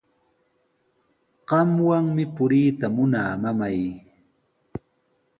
Qamwanmi puriyta munaa, mamay.